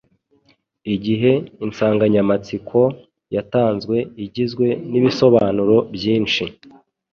igihe insanganyamatsiko yatanzwe igizwe n’ibisobanuro byinshi.